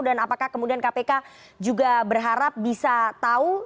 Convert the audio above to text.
dan apakah kemudian kpk juga berharap bisa tahu